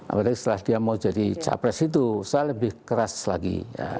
apalagi setelah dia mau jadi capres itu saya lebih keras lagi